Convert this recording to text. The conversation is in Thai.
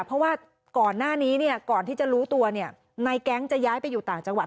เพราะว่าก่อนหน้านี้เนี่ยก่อนที่จะรู้ตัวเนี่ยนายแก๊งจะย้ายไปอยู่ต่างจังหวัด